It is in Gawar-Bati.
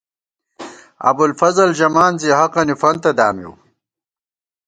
ابوالفضل ژمان زی حقَنی فنتہ دامِیؤ